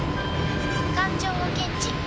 感情を検知。